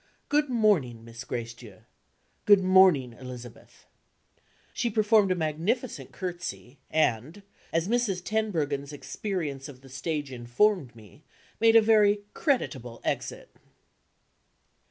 Good morning, Miss Gracedieu. Good morning, Elizabeth." She performed a magnificent curtsey, and (as Mrs. Tenbruggen's experience of the stage informed me) made a very creditable exit.